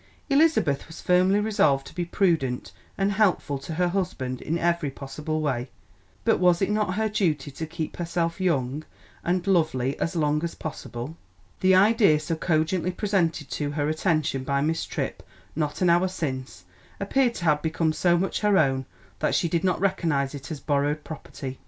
Elizabeth was firmly resolved to be prudent and helpful to her husband in every possible way; but was it not her duty to keep herself young and lovely as long as possible? The idea so cogently presented to her attention by Miss Tripp not an hour since appeared to have become so much her own that she did not recognise it as borrowed property.